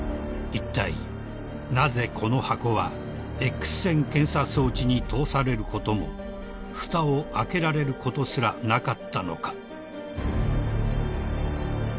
［いったいなぜこの箱はＸ線検査装置に通されることもふたを開けられることすらなかったのか？］